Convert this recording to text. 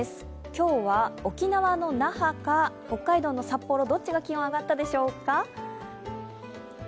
今日は沖縄の那覇か、北海道の札幌、どっちが気温上がったでしょうか？